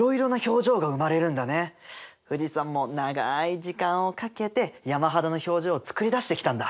富士山も長い時間をかけて山肌の表情をつくりだしてきたんだ。